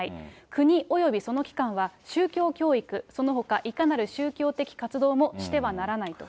国およびその機関は宗教教育、そのほかいかなる宗教的活動もしてはならないと。